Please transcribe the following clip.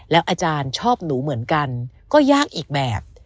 อาจารย์ชอบหนูเหมือนกันก็ยากอีกแบบ